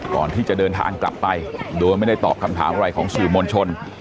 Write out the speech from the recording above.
ก่อนที่จะเดินทางกลับไปโดยไม่ได้ตอบคำถามอะไรของสื่อมวลชน